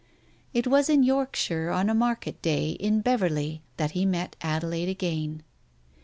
It was in Yorkshire on a market day, in Beverley, that he met Adelaide again.